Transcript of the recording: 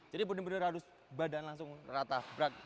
jadi benar benar harus badan langsung rata